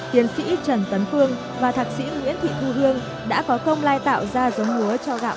tiến sĩ trần tấn phương và thạc sĩ nguyễn thị thu hương đã có công lai tạo ra giống lúa cho gạo